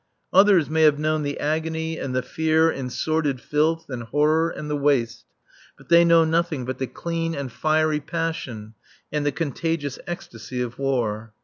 Others may have known the agony and the fear and sordid filth and horror and the waste, but they know nothing but the clean and fiery passion and the contagious ecstasy of war.